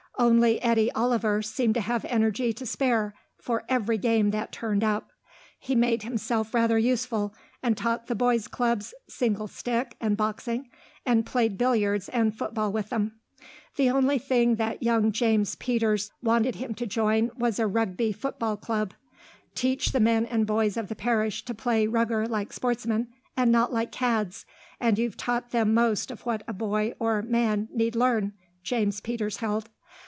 Only Eddy Oliver seemed to have energy to spare for every game that turned up. He made himself rather useful, and taught the boys' clubs single stick and boxing, and played billiards and football with them. The only thing that young James Peters wanted him to join was a Rugby football club. Teach the men and boys of the parish to play Rugger like sportsmen and not like cads, and you've taught them most of what a boy or man need learn, James Peters held.